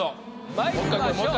まいりましょう。